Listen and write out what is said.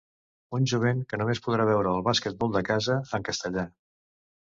Un jovent que només podrà veure el basquetbol de casa… en castellà.